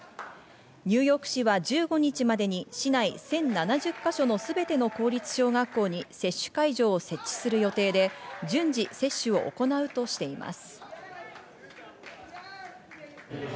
ニューヨーク市は１５日までに市内１０７０か所のすべての公立小学校に接種会場を設置する予定で、順次、接種を行うとしています。